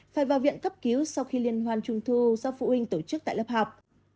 phải vào viện cấp cứu sau khi liên hoan trung thu do phụ huynh tổ chức tại lớp học